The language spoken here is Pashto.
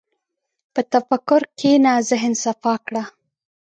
په تفکر کښېنه، ذهن صفا کړه.